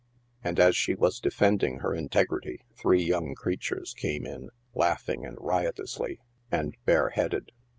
And as she was defending her integrity three young creatures came in, laughing and riotously, and bare headed.